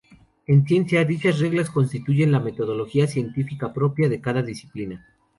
En ciencia, dichas reglas constituyen la metodología científica propia de cada disciplina.